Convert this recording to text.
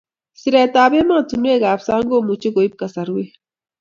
Siret ab emotunuekab sang komuchi koib kasarwek